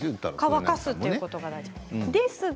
乾かすことが大事です。